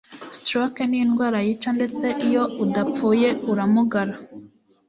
Stroke ni indwara yica ndetse iyo udapfuye uramugara.